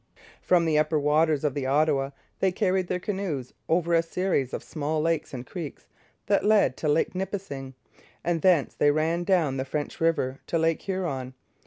From the upper waters of the Ottawa they carried their canoes over into a series of small lakes and creeks that led to Lake Nipissing, and thence they ran down the French river to Lake Huron.